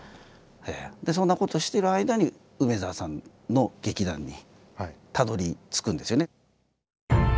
そんなことしてる間に梅沢さんの劇団にたどりつくんですよね。